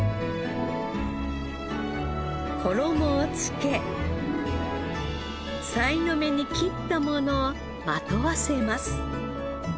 衣をつけさいの目に切ったものをまとわせます。